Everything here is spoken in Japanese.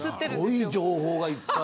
すごい情報がいっぱい。